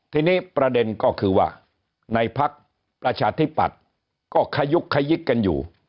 ทีนี้ประเด็นก็คือว่าในพักประชาธิปัตย์ก็ขยุกขยิกกันอยู่